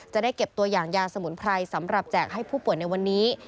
จะได้เก็บตัวอย่างยาสมุนไพรสำหรับแจกให้ผู้ป่วยในวันนี้